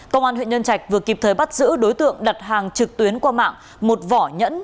công an huyện nhân trạch vừa kịp thời bắt giữ đối tượng đặt hàng trực tuyến qua mạng một vỏ nhẫn